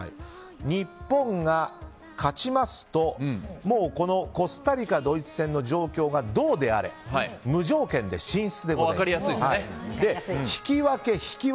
日本が勝ちますとコスタリカ、ドイツ戦の状況がどうであれ無条件で進出でございます。